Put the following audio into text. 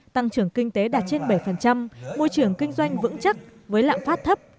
tăng trưởng kinh tế đạt trên bảy môi trường kinh doanh vững chắc với lạm phát thấp